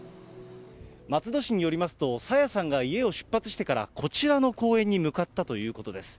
松戸市によりますと、朝芽さんが家を出発してからこちらの公園に向かったということです。